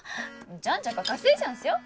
じゃんじゃか稼いじゃうんすよ？